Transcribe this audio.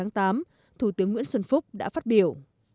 thủ tướng nguyễn xuân phúc đã phát biểu